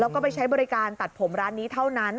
แล้วก็ไปใช้บริการตัดผมร้านนี้เท่านั้น